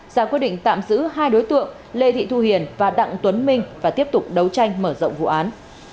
ra quyết định tạm giữ hai đối tượng lê thị thu hiền và đặng tuấn minh và tiếp tục đấu tranh mở rộng vụ án